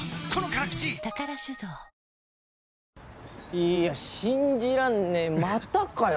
いやぁ信じらんねえまたかよ